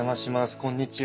こんにちは。